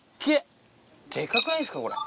デカくないっすかこれ。